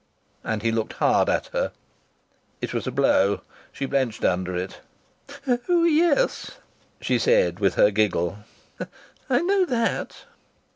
And he looked hard at her. It was a blow. She blenched under it. "Oh, yes," she said, with her giggle, "I know that."